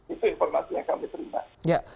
itu informasi yang kami terima